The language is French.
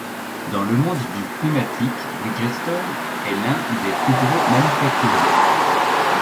Dans le monde du pneumatique, Bridgestone est l'un des plus gros manufacturiers.